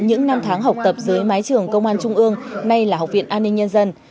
những năm tháng học tập dưới mái trường công an trung ương nay là học viện an ninh nhân dân